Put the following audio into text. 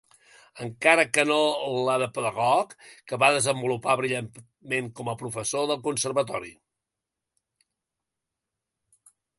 Encara que no la de pedagog, que va desenvolupar brillantment com a professor del conservatori.